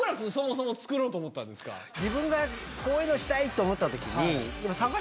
自分がこういうのしたい！と思った時に。